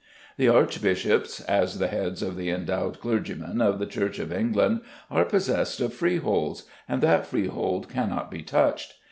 The archbishops, as the heads of the endowed clergymen of the Church of England, are possessed of freeholds, and that freehold cannot be touched.